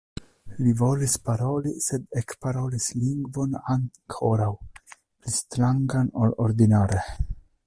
Li volis paroli, sed ekparolis lingvon ankoraŭ pli strangan ol ordinare.